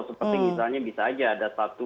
seperti misalnya bisa aja ada satu